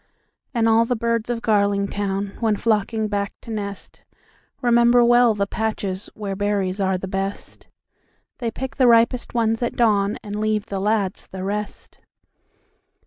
And all the birds of Garlingtown, When flocking back to nest, Remember well the patchesWhere berries are the best; They pick the ripest ones at dawnAnd leave the lads the rest.